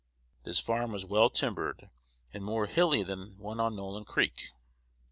This farm was well timbered, and more hilly than the one on Nolin Creek.